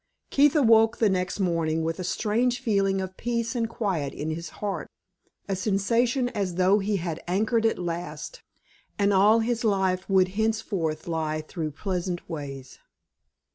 Keith awoke the next morning with a strange feeling of peace and quiet in his heart a sensation as though he had anchored at last, and all his life would henceforth lie through pleasant ways.